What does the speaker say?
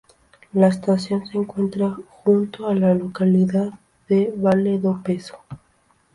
La estación se encuentra junto a la localidad de Vale do Peso.